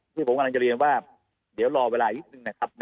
ที่ผมกำลังจะเรียนว่าเดี๋ยวรอเวลานิดนึงนะครับ